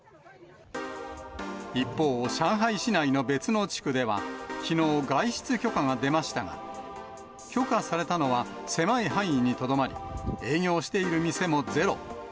一方、上海市内の別の地区では、きのう、外出許可が出ましたが、許可されたのは、狭い範囲にとどまり、営業している店もゼロ。